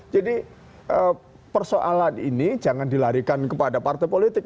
jadi persoalan ini jangan dilarikan kepada partai politik